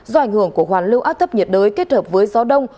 do ảnh hưởng của hoàn lưu áp thấp nhiệt đới kết hợp với gió đông